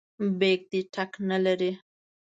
بیک دې ټک نه لري.